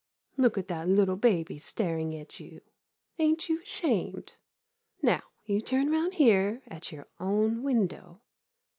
Look at that little baby staring at you — ain't you 'shamed? Now, you turn round here at your own window.